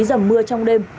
dầm mưa trong đêm